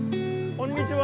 こんにちは。